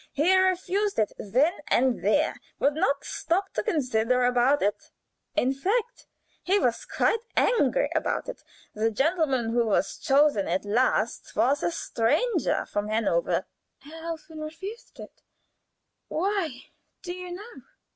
He refused it then and there; would not stop to consider about it in fact, he was quite angry about it. The gentleman who was chosen at last was a stranger, from Hanover." "Herr Helfen refused it why, do you know?"